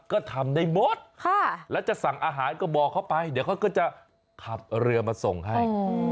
ก็ทำได้หมดแล้วจะสั่งอาหารก็บอกเขาไปเดี๋ยวเขาก็จะขับเรือมาส่งให้